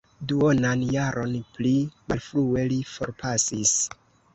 Duonan jaron pli malfrue li forpasis.